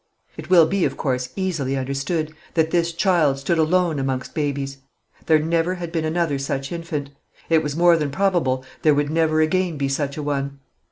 It will be of course easily understood that this child stood alone amongst babies. There never had been another such infant; it was more than probable there would never again be such a one.